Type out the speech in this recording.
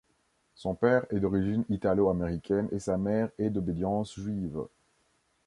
Son père est d'origine italo-américaine et sa mère est d'obédience juive.